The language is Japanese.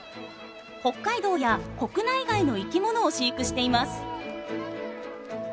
北海道や国内外の生き物を飼育しています。